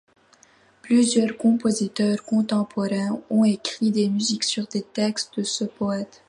Plusieurs compositeurs contemporains ont écrit des musiques sur les textes de ce poète.